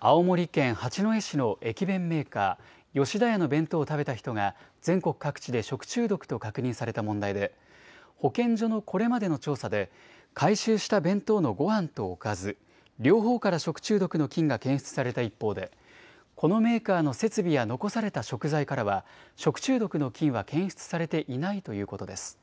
青森県八戸市の駅弁メーカー、吉田屋の弁当を食べた人が全国各地で食中毒と確認された問題で保健所のこれまでの調査で回収した弁当のごはんとおかず、両方から食中毒の菌が検出された一方でこのメーカーの設備や残された食材からは食中毒の菌は検出されていないということです。